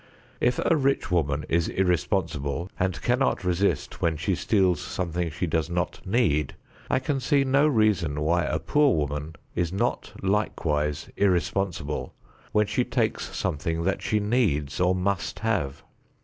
If a rich woman is irresponsible and cannot resist when she steals something she does not need, I can see no reason why a poor woman is not likewise irresponsible when she takes something that she needs or must have.